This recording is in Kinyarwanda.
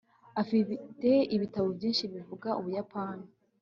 afite ibitabo byinshi bivuga ubuyapani